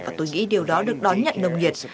và tôi nghĩ điều đó được đón nhận nồng nhiệt